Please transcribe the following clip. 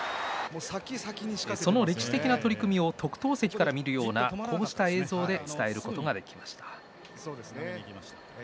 その歴史的な取組を特等席から見るようなこうした映像で伝えることができました。